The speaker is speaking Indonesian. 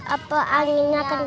apa anginnya kentang